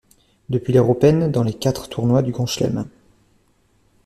Depuis l'ère Open dans les quatre tournois du Grand Chelem.